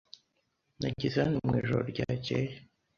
Nageze hano mwijoro ryakeye.